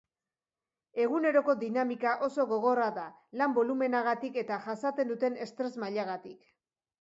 Eguneroko dinamika oso gogorra da, lan bolumenagatik eta jasaten duten estres mailagatik.